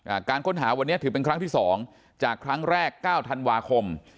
การค้นหาวันนี้ถือเป็นครั้งที่สองจากครั้งแรกเก้าธันวาคม